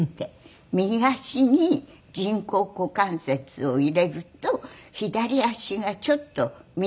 「右足に人工股関節を入れると左足がちょっと短くなる」